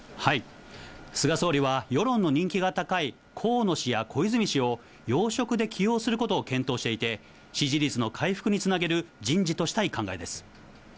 菅総理は、世論の人気が高い河野氏や小泉氏を要職で起用することを検討していて、支持率の回復につなげる人事としたい考えです。